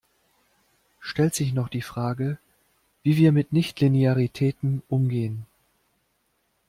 Stellt sich noch die Frage, wie wir mit Nichtlinearitäten umgehen.